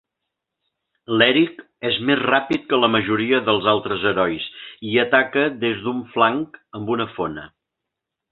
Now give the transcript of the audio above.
L'Erik és més ràpid que la majoria dels altres herois, i ataca des d'un flanc amb una fona.